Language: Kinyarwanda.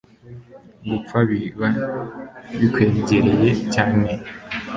gupfa biba bikwegereye cyane